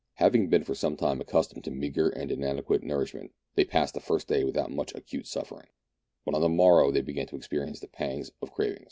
Having been for some time accustomed to meagre and inadequate nourishment, they passed the first day without much acute suffering, but on the morrow they began to experience the pangs of craving.